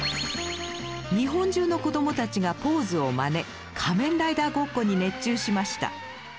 日本中の子どもたちがポーズをまね仮面ライダーごっこに熱中しました。